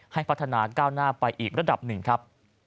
ให้พัฒนาก้าวหน้าไปอีกระดับหนึ่งครับ